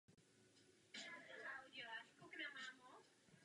Pocházel ze staré a bohaté šlechtické rodiny.